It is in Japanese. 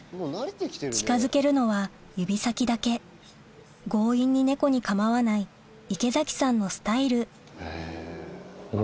近づけるのは指先だけ強引に猫に構わない池崎さんのスタイルへぇ。